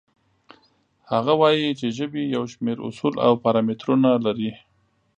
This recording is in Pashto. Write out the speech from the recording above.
هغه وایي چې ژبې یو شمېر اصول او پارامترونه لري.